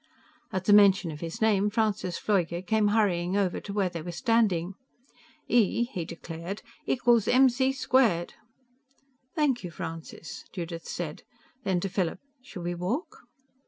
At the mention of his name, Francis Pfleuger came hurrying over to where they were standing. "E," he declared, "equals mc²." "Thank you, Francis," Judith said. Then, to Philip, "Shall we walk?"